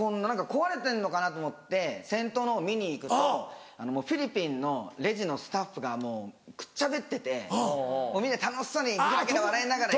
壊れてんのかな？と思って先頭のほう見に行くとフィリピンのレジのスタッフがもうくっちゃべっててみんな楽しそうにふざけて笑いながら。